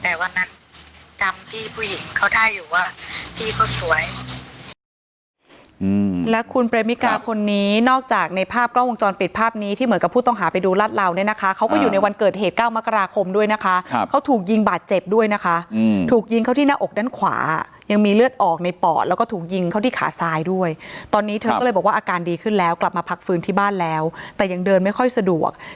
แต่วันนั้นจำพี่ผู้หญิงเขาได้อยู่ว่าพี่เขาสวยและคุณเปรมิกาคนนี้นอกจากในภาพกล้องวงจรปิดภาพนี้ที่เหมือนกับผู้ต้องหาไปดูราชลาวเนี่ยนะคะเขาก็อยู่ในวันเกิดเหตุเก้ามกราคมด้วยนะคะเขาถูกยิงบาดเจ็บด้วยนะคะถูกยิงเขาที่หน้าอกด้านขวายังมีเลือดออกในปอดแล้วก็ถูกยิงเขาที่ขาซ้ายด้วยตอนนี้เธอก็เลยบอก